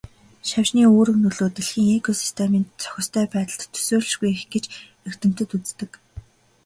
Шавжны үүрэг нөлөө дэлхийн экосистемийн зохистой байдалд төсөөлшгүй их гэж эрдэмтэд үздэг.